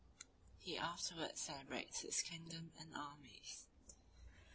He afterwards celebrates his kingdom and armies.